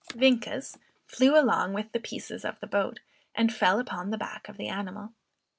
Vienkes flew along with the pieces of the boat, and fell upon the back of the animal.